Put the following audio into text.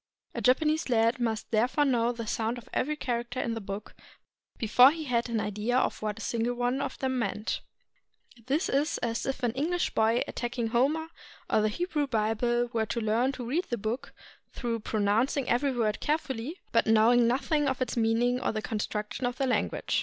A Japanese lad must therefore know the sound of every character in the book before he had an idea of what a single one of them meant. This is as if an English boy attacking Homer or the Hebrew Bible were to learn to read the book through, pronouncing every word carefully, but knowing nothing of its mean ing or the construction of the language.